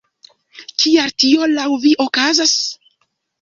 Kial tio laŭ vi okazas?